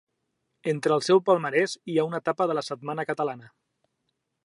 Entre el seu palmarès hi ha una etapa de la Setmana Catalana.